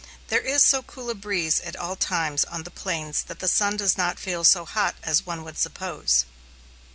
There is so cool a breeze at all times on the plains that the sun does not feel so hot as one would suppose.